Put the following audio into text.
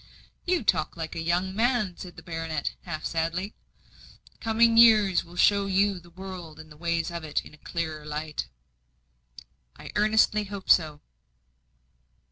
"You talk like a young man," said the baronet, half sadly. "Coming years will show you the world and the ways of it in a clearer light." "I earnestly hope so."